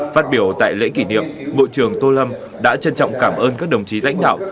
phát biểu tại lễ kỷ niệm bộ trưởng tô lâm đã trân trọng cảm ơn các đồng chí lãnh đạo